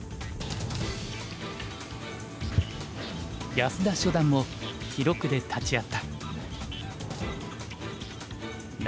安田初段も記録で立ち会った。